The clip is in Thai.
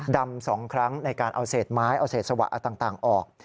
๒ครั้งในการเอาเศษไม้เอาเศษสวะต่างออก